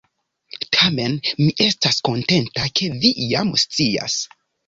Tamen mi estas kontenta, ke vi jam scias.